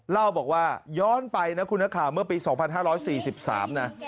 เล่าบอกว่าย้อนไปนะคุณนักข่าวเมื่อปี๒๕๔๓นะ